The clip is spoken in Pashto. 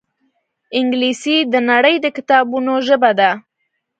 انګلیسي د نړۍ د کتابونو ژبه ده